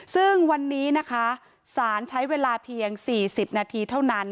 ซึ่งวันนี้นะคะสารใช้เวลาเพียง๔๐นาทีเท่านั้น